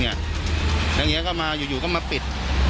แล้วอย่างนี้ก็มาอยู่ก็มาปิด